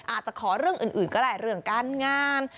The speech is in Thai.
อาจจะขอเรื่องอื่นก็ได้เรื่องการงาน